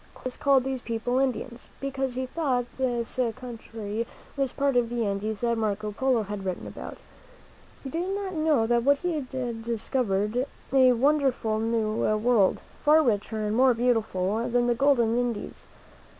Columbus called these people Indians because he thought this country was part of the Indies that Marco Polo had written about. He did not know that he had discovered a wonderful new world, far richer and more beautiful than the golden Indies.